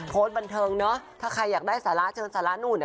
โพสต์บรรเทิงเนอะถ้าใครอยากได้สาระเชิญสาระหนุ่ม